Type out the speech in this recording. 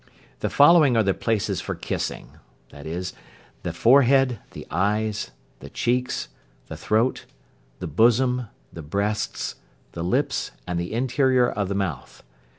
The following are the places for kissing, viz., the forehead, the eyes, the cheeks, the throat, the bosom, the breasts, the lips, and the interior of the mouth.